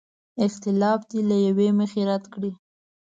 اختلاف دې له یوې مخې رد کړي.